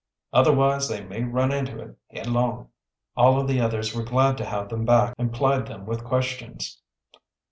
Otherwise they may run into it headlong." All of the others were glad to have them back and plied them with questions.